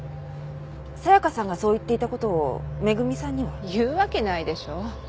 紗香さんがそう言っていた事を恵さんには？言うわけないでしょ。